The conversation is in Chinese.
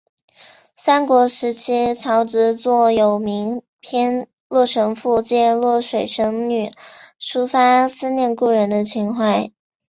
三国时期曹植作有名篇洛神赋借洛水神女抒发思念故人的情怀。